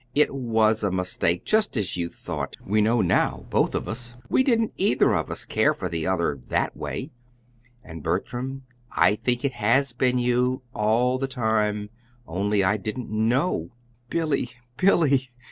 "It WAS a mistake, just as you thought. We know now both of us. We don't either of us care for the other that way. And Bertram, I think it HAS been you all the time, only I didn't know!" "Billy, Billy!"